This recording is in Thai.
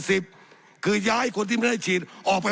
สับขาหลอกกันไปสับขาหลอกกันไป